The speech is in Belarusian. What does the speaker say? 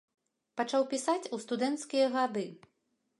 Пачаў пісаць у студэнцкія гады.